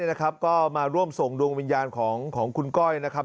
นะครับก็มาร่วมส่งดวงวิญญาณของคุณก้อยนะครับ